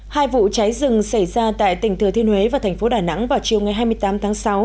hai vụ cháy rừng xảy ra tại tỉnh thừa thiên huế và thành phố đà nẵng vào chiều ngày hai mươi tám tháng sáu